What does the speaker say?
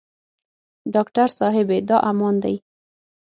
ډاکټر صاحبې دا عمان دی.